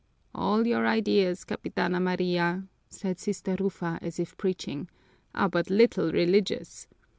"All your ideas, Capitana Maria," said Sister Rufa, as if preaching, "are but little religious.